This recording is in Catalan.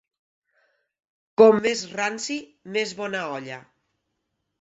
Com més ranci, més bona olla.